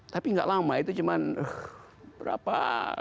tapi nggak lama itu cuma berapa